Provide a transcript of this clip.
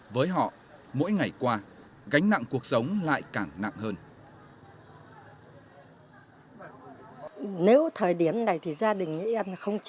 với họ mỗi ngày qua gánh nặng cuộc sống lại càng nặng hơn